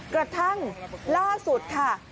กระทั่งล่าสุดค่ะ